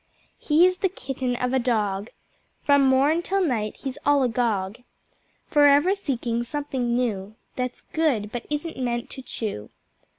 He is the Kitten of a Dog, From morn till night he's all agog Forever seeking something new That's good but isn't meant to chew.